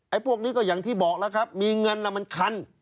พวกนี้ก็อย่างที่บอกแล้วครับมีเงินมันคัน